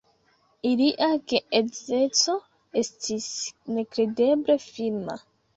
Ilia geedzeco estis nekredeble firma.